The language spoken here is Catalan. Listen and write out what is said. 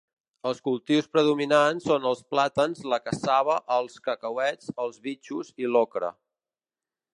Els cultius predominants són els plàtans, la cassava, els cacauets, els bitxos i l'ocra.